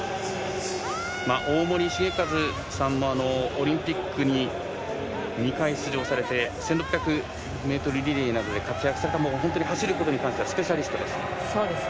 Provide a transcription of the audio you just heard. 大森盛一さんもオリンピックに２回出場されて１６００ｍリレーなどで活躍された走ることに関してはスペシャリストです。